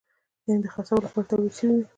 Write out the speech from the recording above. یعنې د خرڅولو لپاره تولید شوی وي.